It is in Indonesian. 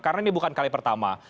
karena ini bukan kali pertama